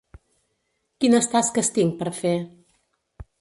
Quines tasques tinc per fer?